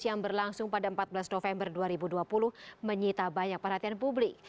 yang berlangsung pada empat belas november dua ribu dua puluh menyita banyak perhatian publik